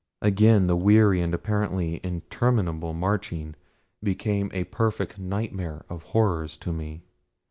Again the weary and apparently interminable marching became a perfect nightmare of horrors to me.